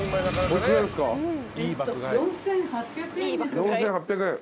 ４，８００円。